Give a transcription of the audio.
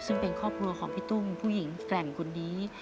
ซึ่งเป็นครอบครัวของพี่ตุ้มผู้หญิงแกร่งคนนี้